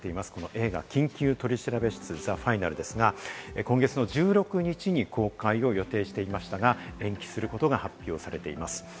映画『緊急取調室ＴＨＥＦＩＮＡＬ』ですが、今月１６日に公開を予定していましたが、延期することが発表されています。